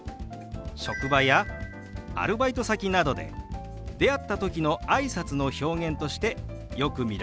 職場やアルバイト先などで出会った時のあいさつの表現としてよく見られるフレーズなんですよ。